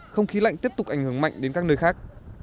lạnh tiếp tục ảnh hưởng mạnh đến các nơi khác